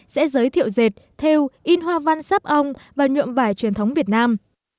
sẽ giới thiệu dệt thêu in hoa văn sắp ong và nhuộm vải truyền thống việt nam